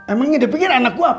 emangnya dia pikir anak gue apaan